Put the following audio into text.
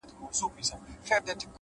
نیک عمل له الفاظو ډېر ځواک لري؛